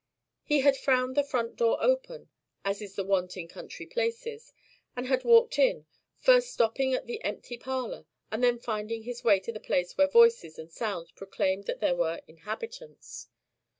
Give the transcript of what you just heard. He had found the front door open, as is the wont in country places, and had walked in; first stopping at the empty parlor, and then finding his way to the place where voices and sounds proclaimed that there were inhabitants.